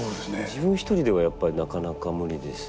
自分一人ではやっぱりなかなか無理ですし。